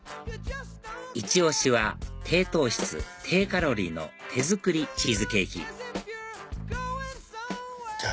イチ押しは低糖質低カロリーの手作りチーズケーキじゃあ